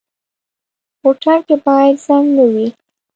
موټر کې باید زنګ نه وي.